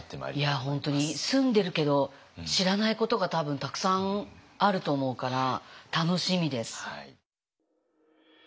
いや本当に住んでるけど知らないことが多分たくさんあると思うから楽しみです。